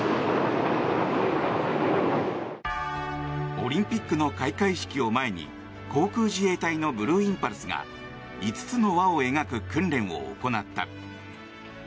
オリンピックの開会式を前に航空自衛隊のブルーインパルスが５つの輪を描く訓練を行った。